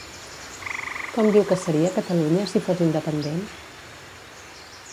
Com diu que seria Catalunya si fos independent?